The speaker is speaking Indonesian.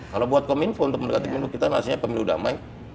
kalau buat kominfo untuk mendekati pemilu kita nasinya pemilu damai